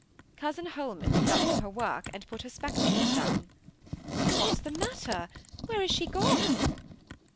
Cousin Holman looked up from her work, and put her spectacles down. "What's the matter? Where is she gone?"